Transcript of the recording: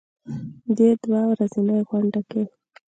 دې دوه ورځنۍ غونډه کې